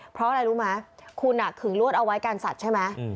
เพราะอะไรรู้ไหมคุณขึงลวดเอาไว้การสัตว์ใช่ไหม